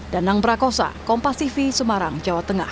danang brakosa kompasivi semarang jawa tengah